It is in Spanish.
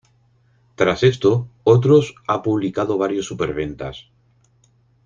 Tras esto otros ha publicado varios superventas.